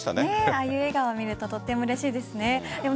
ああいう笑顔を見るととてもうれしいですね。